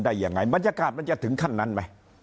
ได้ยังไงบรรยากาศมันจะถึงขั้นนั้นไหม